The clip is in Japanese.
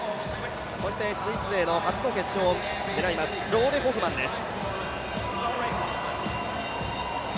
スイス勢も初の決勝を狙います、ローレ・ホフマンです。